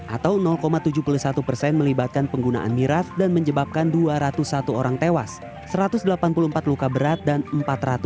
atau tujuh puluh satu persen melibatkan penggunaan miras dan menyebabkan dua ratus satu orang tewas satu ratus delapan puluh empat luka berat dan empat ratus tujuh belas luka ringan